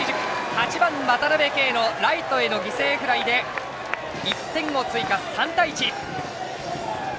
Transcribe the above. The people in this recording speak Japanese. ８番、渡辺憩のライトへの犠牲フライで１点を追加、３対１。